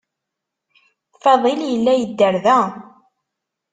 Fadil yella yedder da.